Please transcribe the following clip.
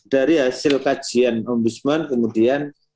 dari hasil kajian ombudsman kemudian